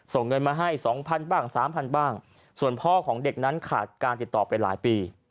ส่งเงินมาให้สองพันบ้างสามพันบ้างส่วนพ่อของเด็กนั้นขาดการติดต่อไปหลายปี